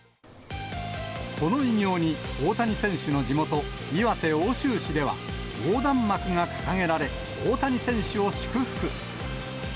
この偉業に、大谷選手の地元、岩手・奥州市では、横断幕が掲げられ、大谷選手を祝福。